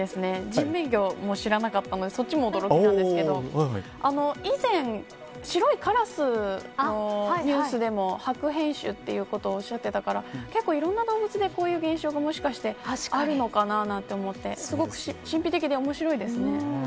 人面魚も知らなかったのでそっちも驚きなんですけど以前、白いカラスのニュースでも、白変種ということをおっしゃっていたから結構いろんな動物でこういう現象があるのかなと思ってすごく神秘的で面白いですね。